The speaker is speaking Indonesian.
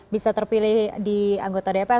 bisa terpilih di anggota dpr